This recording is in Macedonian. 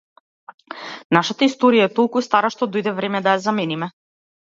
Нашата историја е толку стара што дојде време да ја замениме.